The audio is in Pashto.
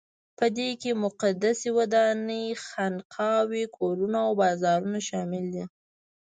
په دې کې مقدسې ودانۍ، خانقاوې، کورونه او بازارونه شامل دي.